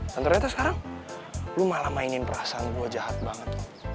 dan ternyata sekarang lo malah mainin perasaan gue jahat banget